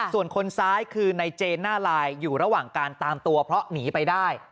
ส่วนคนซ้ายคือในเจนหน้าลายอยู่ระหว่างการตามตัวเพราะหนีไปได้